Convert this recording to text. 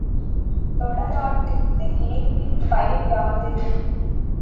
தொடரடுக்கு இணைப்பின் பயன் யாது?